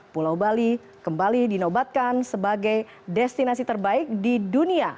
pulau bali kembali dinobatkan sebagai destinasi terbaik di dunia